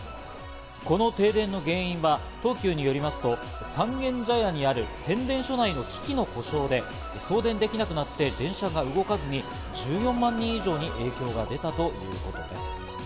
この停電の原因は東急によりますと、三軒茶屋にある変電所内の機器の故障で、送電できなくなって電車が動かずに１４万人以上に影響が出たということです。